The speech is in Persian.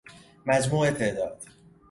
مجموع تعداد